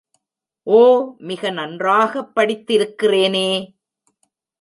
ஒ, மிக நன்றாகப் படித்திருக்கிறேனே!